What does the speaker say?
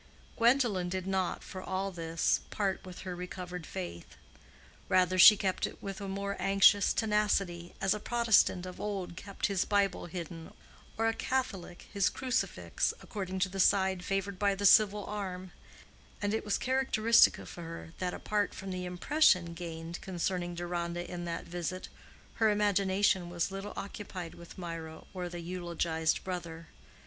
Gwendolen did not, for all this, part with her recovered faith;—rather, she kept it with a more anxious tenacity, as a Protestant of old kept his bible hidden or a Catholic his crucifix, according to the side favored by the civil arm; and it was characteristic of her that apart from the impression gained concerning Deronda in that visit, her imagination was little occupied with Mirah or the eulogised brother.